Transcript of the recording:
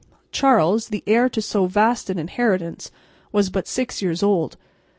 Charles, the heir to so vast an inheritance, was but six years old.